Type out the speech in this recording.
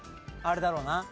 あれだろうな。